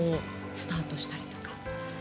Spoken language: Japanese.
スタートしたりとか。